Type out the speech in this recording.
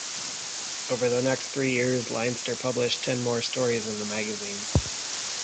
Over the next three years, Leinster published ten more stories in the magazine.